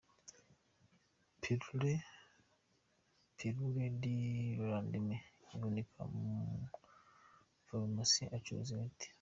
Pilule du lendemain iboneka mu mafarumasi acuruza imiti.